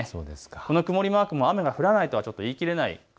この曇りマークも雨が降らないとは言い切れない。